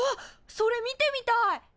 それ見てみたい！